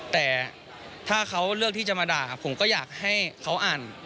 แต่ถ้าเขาเลือกที่จะมาด่าผมก็อยากให้เขาอ่าน